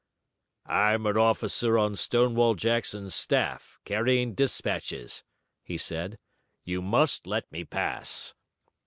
"I'm an officer on Stonewall Jackson's staff, carrying dispatches," he said. "You must let me pass."